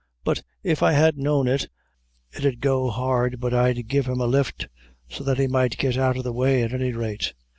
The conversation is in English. but if I had known it, 'ud go hard but I'd give him a lift so that he might get out o' the way, at any rate."